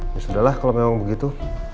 ya sudah lah kalau memang begitu